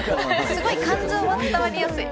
すごい感情は伝わりやすい。